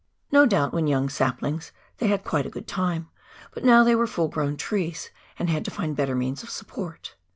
No doubt when young saplings they had quite a good time, but now they were full grown trees, and had to find better means of support.